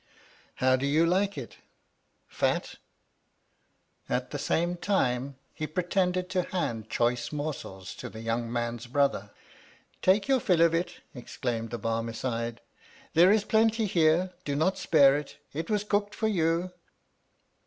How do you like it 1 Fat 1 At the same time lie pretended to hand choice morsels to the young man's brother. Take your fill of it, exclaimed the Barmecide, there is plenty here, do not spare it, it was cooked for you.